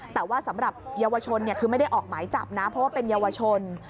แต่ว่าสำหรับเยาวชนคือไม่ได้ออกหมายจับนะเพราะว่าเป็นเยาวชน